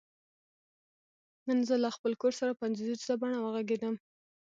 نن زه له خپل کور سره په انځوریزه بڼه وغږیدم.